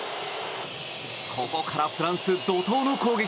ここからフランス、怒涛の攻撃。